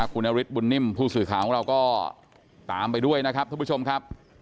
คุณเอฤทธิ์บุณิมผู้สื่อของเราก็ตามไปด้วยท่านพระผู้ชมครับ